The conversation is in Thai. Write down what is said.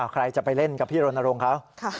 ใครจะไปเล่นกับพี่รณรงค์เขา